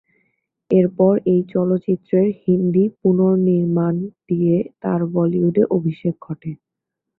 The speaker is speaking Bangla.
এরপর এই চলচ্চিত্রের "হিন্দি পুনর্নির্মাণ" দিয়ে তার বলিউডে অভিষেক ঘটে।